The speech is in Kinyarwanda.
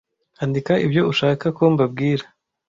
andika ibyo ushaka ko mbabwira